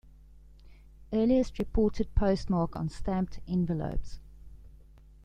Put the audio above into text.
Earliest Reported Postmark on stamped envelopes.